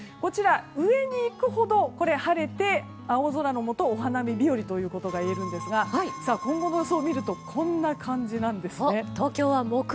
上に行くほど晴れて青空のもとお花見日和といえますが今後の予想を見るとこんな感じなんですね。